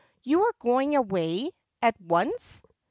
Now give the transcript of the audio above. ' You are going away — at once